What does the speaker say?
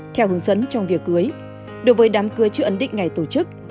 theo hướng dẫn trong việc cưới đối với đám cưới chưa ấn định ngày tổ chức